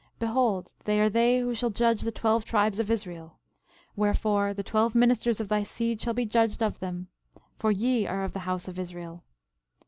Behold they are they who shall judge the twelve tribes of Israel; wherefore, the twelve ministers of thy seed shall be judged of them; for ye are of the house of Israel.